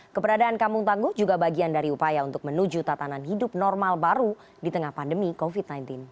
keberadaan kampung tangguh juga bagian dari upaya untuk menuju tatanan hidup normal baru di tengah pandemi covid sembilan belas